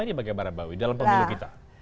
ini bagaimana mbak wi dalam pemilu kita